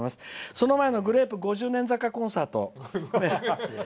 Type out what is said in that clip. その前のグレープ５０年坂コンサート